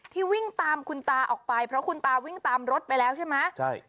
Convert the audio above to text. วิ่งตามคุณตาออกไปเพราะคุณตาวิ่งตามรถไปแล้วใช่ไหมใช่